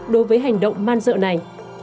đối với hành động man dợ này